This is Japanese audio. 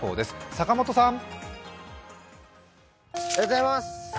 坂本さん。